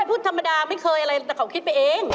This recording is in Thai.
พูดธรรมดาไม่เคยอะไรแต่เขาคิดไปเอง